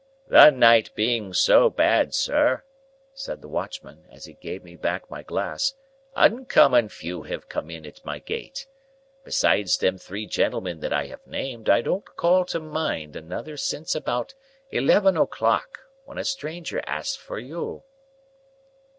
"The night being so bad, sir," said the watchman, as he gave me back my glass, "uncommon few have come in at my gate. Besides them three gentlemen that I have named, I don't call to mind another since about eleven o'clock, when a stranger asked for you."